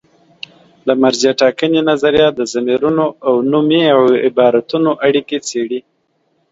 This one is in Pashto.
د مرجع ټاکنې نظریه د ضمیرونو او نومي عبارتونو اړیکې څېړي.